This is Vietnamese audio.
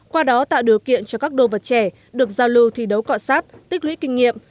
qua đó tạo điều kiện cho các đồ vật trẻ được giao lưu thi đấu cọ sát tích lũy kinh nghiệm